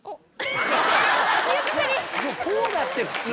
こうだって普通。